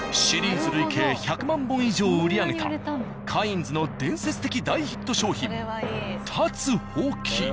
シリーズ累計１００万本以上を売り上げた「カインズ」の伝説的大ヒット商品立つほうき。